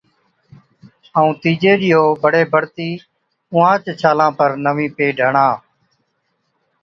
ائُون تِيجي ڏِيئو بڙي بڙتِي اُونهانچ ڇالان پر نوِين پيڊ هڻا۔